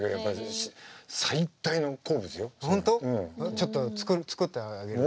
ちょっと作ってあげるわ。